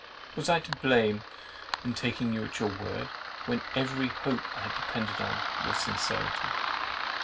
Was I to blame in taking you at your word, when every hope I had depended on your sincerity?